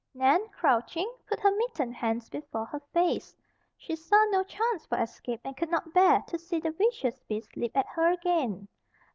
Nan, crouching, put her mittened hands before her face. She saw no chance for escape and could not bear to see the vicious beast leap at her again.